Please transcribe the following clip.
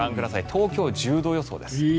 東京、１０度予想です。